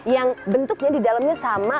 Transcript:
yang bentuknya di dalamnya sama